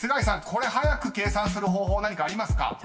これ早く計算する方法何かありますか？］